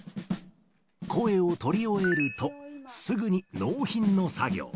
声を録り終えると、すぐに納品の作業。